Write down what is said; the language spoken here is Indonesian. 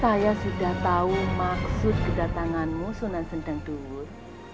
saya sudah tahu maksud kedatanganmu sunan sendang dungur